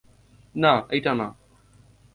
না এইটা না।